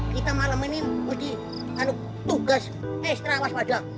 kita malam ini akan dihantuk tugas e sterawas padang